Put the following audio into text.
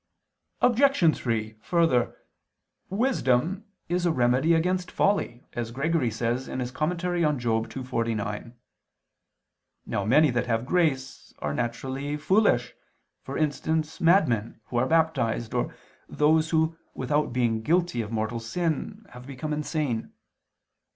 Obj. 3: Further, "Wisdom is a remedy against folly," as Gregory says (Moral. ii, 49). Now many that have grace are naturally foolish, for instance madmen who are baptized or those who without being guilty of mortal sin have become insane.